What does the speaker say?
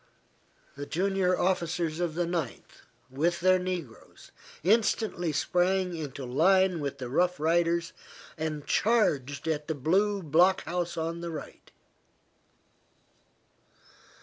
The junior officers of the Ninth, with their negroes, instantly sprang into line with the Rough Riders, and charged at the blue block house on the right.